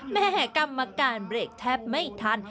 แม่กรรมการเบรกแทบไม่ทัน